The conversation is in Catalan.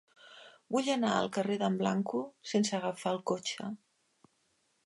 Vull anar al carrer d'en Blanco sense agafar el cotxe.